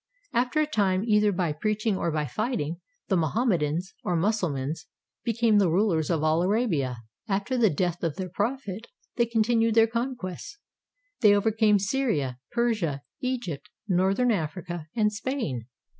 After a time, either by preaching or by fighting, the Mohammedans, or Mus sulmans, became the rulers of all Arabia. After the death of their prophet, they continued their conquests. They overcame Syria, Persia, Egypt, northern Africa, and Spain.